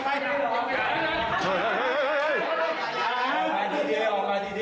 เผ่าก่อนไป